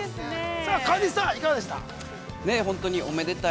◆さあ川西さん、いかがでしたか。